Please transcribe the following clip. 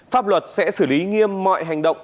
pháp luật sẽ xử lý nghiêm mọi hành động